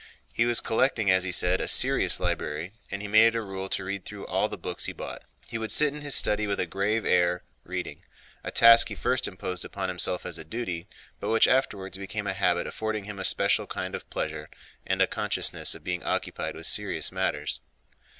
He was collecting, as he said, a serious library, and he made it a rule to read through all the books he bought. He would sit in his study with a grave air, reading—a task he first imposed upon himself as a duty, but which afterwards became a habit affording him a special kind of pleasure and a consciousness of being occupied with serious matters.